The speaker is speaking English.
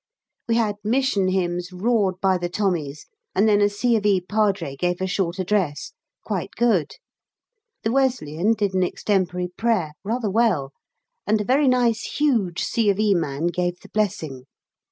We had Mission Hymns roared by the Tommies, and then a C. of E. Padre gave a short address quite good. The Wesleyan did an extempore prayer, rather well, and a very nice huge C. of E. man gave the Blessing.